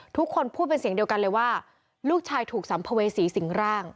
ทุกคนพูดเป็นเสียงเดียวกันเลยว่าลูกชายถูกสัมภเวษีสิงร่าง